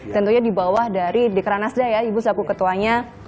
tentunya di bawah dari dekranasda ya ibu selaku ketuanya